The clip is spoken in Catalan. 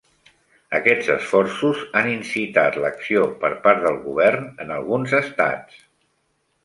Aquests esforços han incitat l'acció per part del govern en alguns estats.